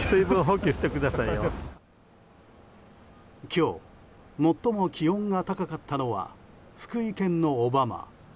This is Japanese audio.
今日、最も気温が高かったのは福井県の小浜。